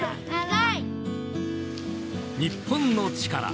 『日本のチカラ』